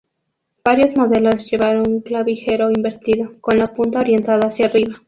Varios modelos llevan un clavijero invertido, con la punta orientada hacia arriba.